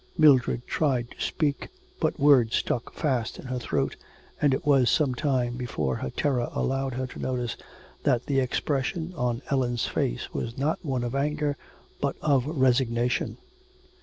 Mildred tried to speak, but words stuck fast in her throat, and it was some time before her terror allowed her to notice that the expression on Ellen's face was not one of anger, but of resignation.